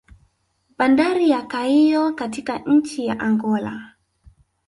Bandari ya Caio katika nchi ya Angola